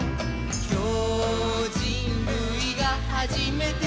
「今日人類がはじめて」